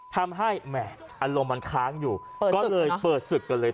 แหม่อารมณ์มันค้างอยู่ก็เลยเปิดศึกกันเลย